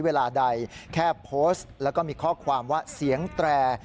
เวลาใดแค่โพสต์แล้วก็มีข้อความว่าเสียงแตร